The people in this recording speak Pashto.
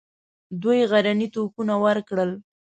دوه غرني توپونه ورکړل.